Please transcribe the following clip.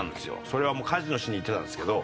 それはもうカジノしに行ってたんですけど。